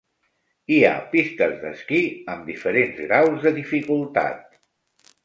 Hi ha pistes d'esquí amb diferents graus de dificultat.